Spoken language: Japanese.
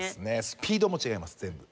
スピードも違います全部。